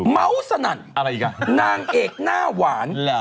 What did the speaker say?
เม้าสนันดิ์แนะเอกหน้าหวาน